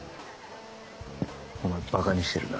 お前馬鹿にしてるな。